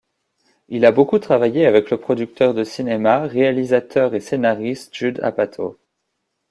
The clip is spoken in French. Il a beaucoup travaillé avec le producteur de cinéma, réalisateur et scénariste Judd Apatow.